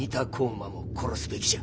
馬も殺すべきじゃ。